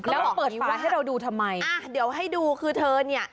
แล้วเปิดฝาให้เราดูทำไมอ่ะเดี๋ยวให้ดูคือเธอเนี่ย